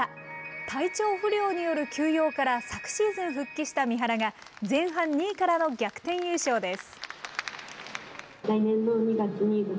体調不良による休養から昨シーズン復帰した三原が、前半２位からの逆転優勝です。